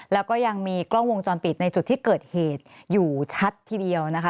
แล้วก็ยังมีกล้องวงจรปิดในจุดที่เกิดเหตุอยู่ชัดทีเดียวนะคะ